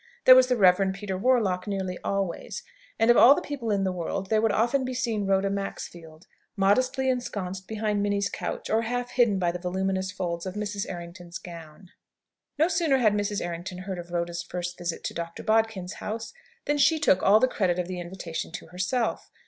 There was the Reverend Peter Warlock, nearly always. And of all people in the world there would often be seen Rhoda Maxfield, modestly ensconced behind Minnie's couch, or half hidden by the voluminous folds of Mrs. Errington's gown. No sooner had Mrs. Errington heard of Rhoda's first visit to Dr. Bodkin's house, than she took all the credit of the invitation to herself.